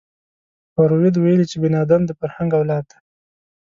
فروید ویلي چې بني ادم د فرهنګ اولاد دی